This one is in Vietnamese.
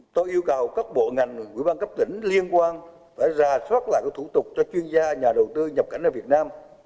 tôi yêu cầu các bộ ngành ubnd các tỉnh liên quan phải ra soát lại các thủ tục cho chuyên gia nhà đầu tư nhập cảnh ở việt nam